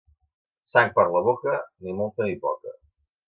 Sang per la boca, ni molta ni poca.